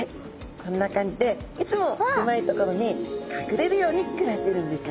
こんな感じでいつも狭い所に隠れるように暮らしてるんですよ。